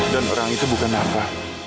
dan orang itu bukan apa